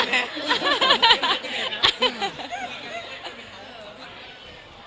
จริงเราอยากเรียกเรื่องไหน